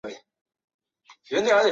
反应佛道融合之民间信仰特色。